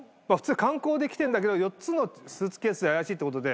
観光で来てるんだけど４つのスーツケースで怪しいってことで。